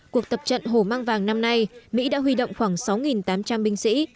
cuộc tập trận hổ mang vàng năm nay mỹ đã huy động khoảng sáu tám trăm linh binh sĩ